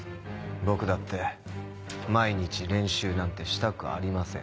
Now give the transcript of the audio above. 僕だって毎日練習なんてしたくありません。